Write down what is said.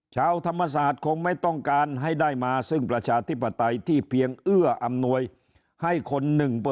ชาวธรรมศาสตร์คงไม่ต้องการให้ได้มาซึ่งประชาธิปไตยที่เพียงเอื้ออำนวยให้คน๑